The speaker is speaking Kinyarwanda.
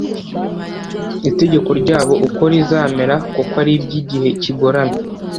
itegeko ryabo uko rizamera Kuko ari aby igihe kigoramye